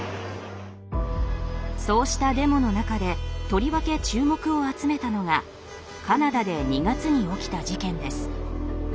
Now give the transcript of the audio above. そうしたデモの中でとりわけ注目を集めたのがカナダで２月に起きた事件です。